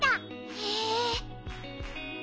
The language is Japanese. へえ。